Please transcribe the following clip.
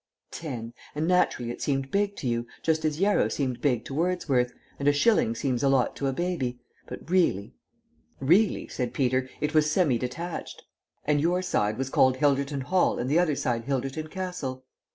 "Ten. And naturally it seemed big to you, just as Yarrow seemed big to Wordsworth, and a shilling seems a lot to a baby. But really " "Really," said Peter, "it was semi detached." "And your side was called Hilderton Hall and the other side Hilderton Castle."